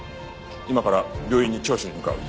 今から病院に聴取に向かう。